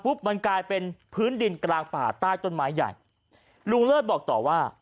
มันกลายเป็นพื้นดินกลางป่าใต้ต้นไม้ใหญ่ลุงเลิศบอกต่อว่า